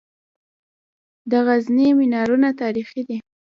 د غزني منارونه تاریخي دي